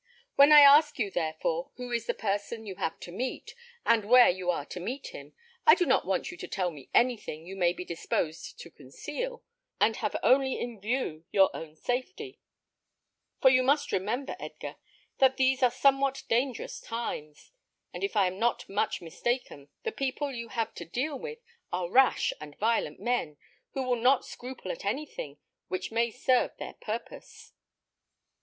When I ask you, therefore, who is the person you have to meet, and where you are to meet him, I do not want you to tell me anything you may be disposed to conceal, and have only in view your own safety; for you must remember, Edgar, that these are somewhat dangerous times; and if I am not much mistaken, the people you have to deal with are rash and violent men, who will not scruple at anything which may serve their purpose."